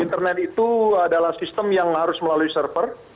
internet itu adalah sistem yang harus melalui server